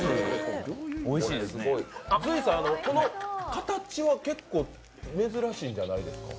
隋さん、この形は結構珍しいんじゃないですか？